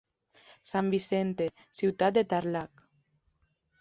San Vicente, ciutat de Tarlac.